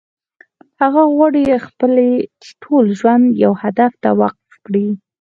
هغه غواړي خپل ټول ژوند يو هدف ته وقف کړي.